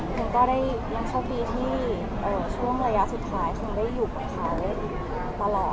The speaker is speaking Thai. คงก็ได้ยังโชคดีที่ช่วงระยะสุดท้ายคงได้อยู่กับเขาตลอด